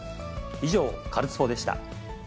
以上、カルスポっ！でした。